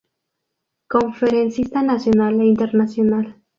Conferencista Nacional e internacional.